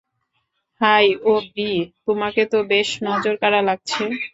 High, oh Bree, তোমাকে তো বেশ নজরকাড়া লাগছে!